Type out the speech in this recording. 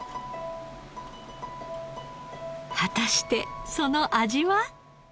果たしてその味は？